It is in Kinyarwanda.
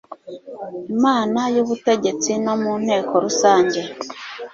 imana y ubutegetsi no mu nteko rusange